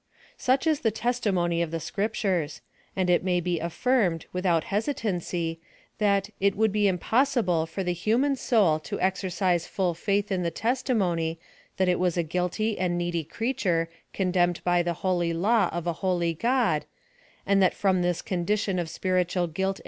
Such is the testimony of the Scriptures ; and it may be afllrmcd, without hesitancy, that it would be impossible for the human soul to excrc.se full faith in the testimony, that it was a guilty and needy creature, condemned by the holy law of a holy God; and that from this con'htion of spiritual cruill PLAN OF SALVATION.